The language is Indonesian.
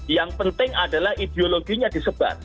yang penting adalah ideologinya disebar